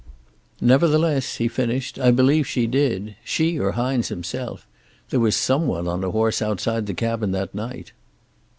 "Nevertheless," he finished, "I believe she did. She or Hines himself. There was some one on a horse outside the cabin that night."